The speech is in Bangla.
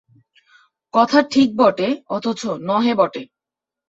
কথা ঠিক বটে, অথচ নহে বটে।